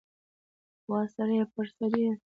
وا سړیه پر سد یې ؟